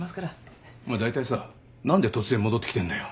お前だいたいさ何で突然戻ってきてんだよ。